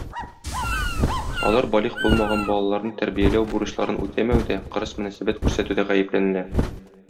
Алар балигъ булмаган балаларны тәрбияләү бурычларын үтәмәүдә, кырыс мөнәсәбәт күрсәтүдә гаепләнелә.